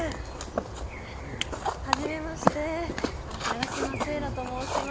はじめまして永島聖羅と申します。